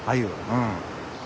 うん。